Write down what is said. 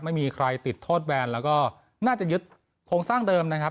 ไม่มีใครติดโทษแบนแล้วก็น่าจะยึดโครงสร้างเดิมนะครับ